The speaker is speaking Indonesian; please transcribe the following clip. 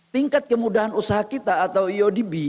tingkat kemudahan usaha kita atau eodb